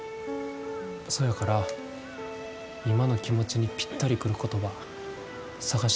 そやから今の気持ちにぴったり来る言葉、探してんねん。